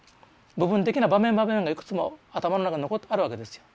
部分的な場面場面がいくつも頭の中に残ってあるわけですよ。